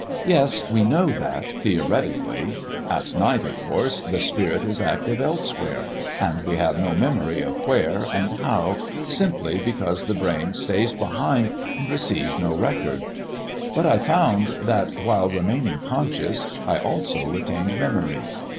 "Yes, we know that theoretically. At night, of course, the spirit is active elsewhere, and we have no memory of where and how, simply because the brain stays behind and receives no record. But I found that, while remaining conscious, I also retained memory.